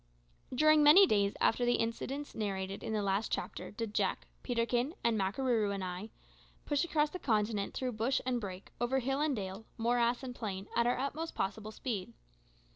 During many days after the incidents narrated in the last chapter did Jack, and Peterkin, and Makarooroo, and I, push across the continent through bush and brake, over hill and dale, morass and plain, at our utmost possible speed.